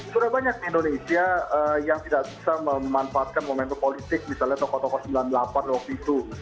sudah banyak di indonesia yang tidak bisa memanfaatkan momentum politik misalnya tokoh tokoh sembilan puluh delapan waktu itu